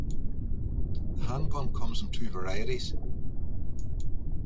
The handgun comes in two varieties.